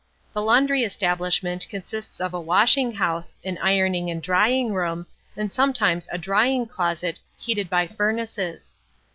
The laundry establishment consists of a washing house, an ironing and drying room, and sometimes a drying closet heated by furnaces.